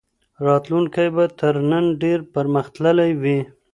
راتلونکی به تر نن ډېر پرمختللی وي.